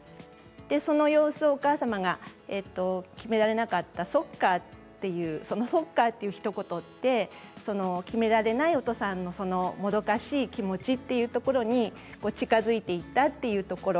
その様子を、お母様が「決められなかった、そっか」というその「そっか」というひと言って決められない、おとさんのもどかしい気持ちというところに近づいていったというところ。